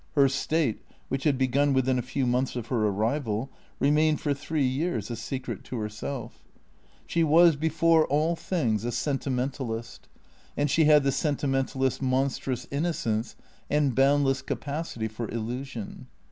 Her state, which had begun within a few months of her arrival, remained for three years a secret to herself. She was before all 256 THECEEATORS things a sentimentalist, and she had the sentimentalist's mon strous innocence and boundless capacity for illusion.